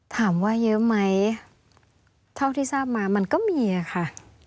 ถามว่าเยอะไหมเท่าที่ทราบมามันก็มีอะค่ะ